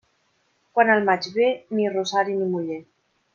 Quan el maig ve, ni rosari ni muller.